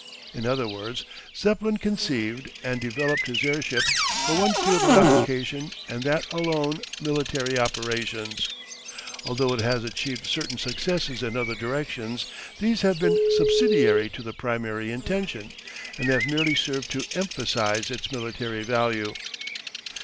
In other words, Zeppelin conceived and developed his airship for one field of application and that alone military operations. Although it has achieved certain successes in other directions these have been subsidiary to the primary intention, and have merely served to emphasise its military value.